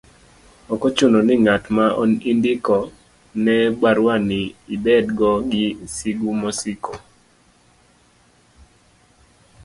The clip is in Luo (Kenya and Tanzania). ok ochuno ni ng'at ma indiko ne baruani ibed go gi sigu mosiko